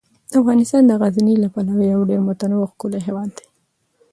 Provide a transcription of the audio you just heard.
افغانستان د غزني له پلوه یو ډیر متنوع او ښکلی هیواد دی.